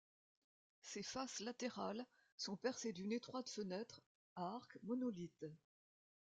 Ses faces latérales sont percées d'une étroite fenêtre à arc monolithe.